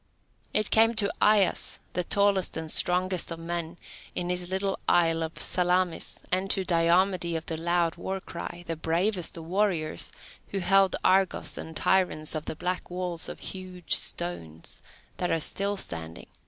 It came to Aias, the tallest and strongest of men, in his little isle of Salamis; and to Diomede of the loud war cry, the bravest of warriors, who held Argos and Tiryns of the black walls of huge, stones, that are still standing.